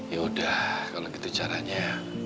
yaudah kalau gitu caranya